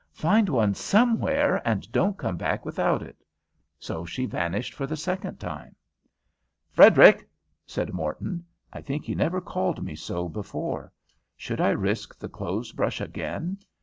"Find one somewhere and don't come back without it." So she vanished for the second time. "Frederic!" said Morton. I think he never called me so before. Should I risk the clothes brush again?